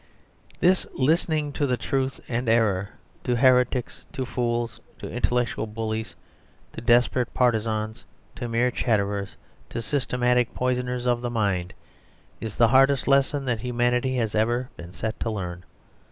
This listening to truth and error, to heretics, to fools, to intellectual bullies, to desperate partisans, to mere chatterers, to systematic poisoners of the mind, is the hardest lesson that humanity has ever been set to learn.